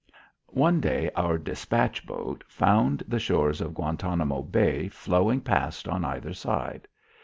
One day, our despatch boat found the shores of Guantanamo Bay flowing past on either side.